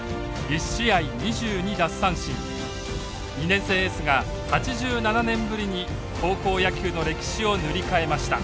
２年生エースが８７年ぶりに高校野球の歴史を塗り替えました。